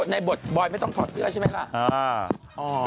ในบทบอยไม่ต้องถอดเสื้อใช่ไหมล่ะ